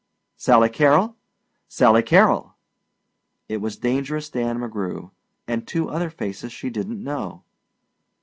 "Sally Carrol! Sally Carrol!" It was Dangerous Dan McGrew; and two other faces she didn't know.